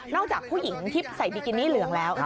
จากผู้หญิงที่ใส่บิกินี่เหลืองแล้ว